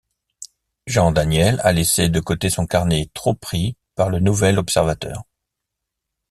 Jean Daniel a laissé de côté son carnet, trop pris par le Nouvel Observateur.